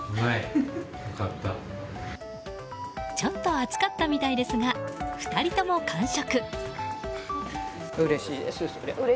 ちょっと熱かったみたいですが２人とも完食！